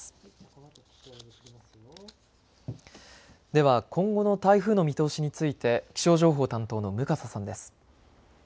では今後の台風の見通しについて気象情報担当の向笠さんです。